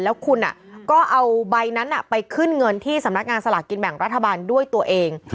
แล้วคุณก็เอาใบนั้นไปขึ้นเงินที่สำนักงานสลากกินแบ่งรัฐบาลด้วยตัวเอง